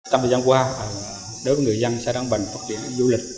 tầm thời gian qua đối với người dân sẽ đang bằng phát triển du lịch